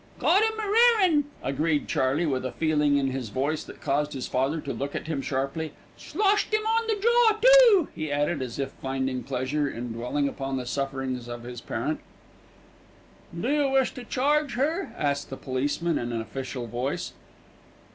"Got 'im a rare 'un too!" agreed Charley, with a feeling in his voice that caused his father to look at him sharply. "Sloshed 'im on the jaw too," he added, as if finding pleasure in dwelling upon the sufferings of his parent. "Do you wish to charge her?" asked the policeman in an official voice.